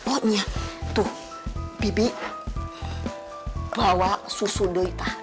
oh iya tuh bibi bawa susu deh tah